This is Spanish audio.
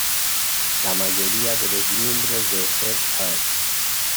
La mayoría de los miembros de Earth First!